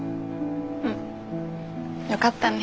うん。よかったね。